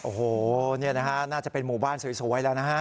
โอ้โหนี่นะฮะน่าจะเป็นหมู่บ้านสวยแล้วนะฮะ